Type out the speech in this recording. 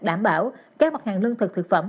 đảm bảo các mặt hàng lương thực thực phẩm